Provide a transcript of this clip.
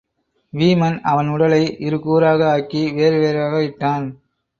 வீமன் அவன் உடலை இருகூறாக ஆக்கி வேறு வேறாக இட்டான்.